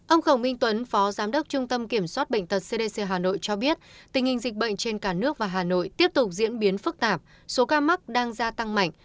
ông khổng minh tuấn phó giám đốc trung tâm kiểm soát bệnh tật cdc hà nội cho biết tình hình dịch bệnh trên cả nước và hà nội tiếp tục diễn biến phức tạp số ca mắc đang gia tăng mạnh